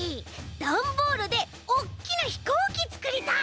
ダンボールでおっきなひこうきつくりたい。